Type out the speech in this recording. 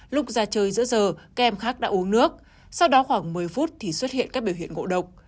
lúc ra chơi giữa giờ các em khác đã uống nước sau đó khoảng một mươi phút thì xuất hiện các biểu hiện ngộ độc